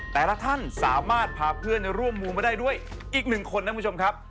แต่ละท่านสามารถพาเพื่อนร่วมมูลมาได้ด้วยอีกหนึ่งคนนะคุณผู้ชมครับ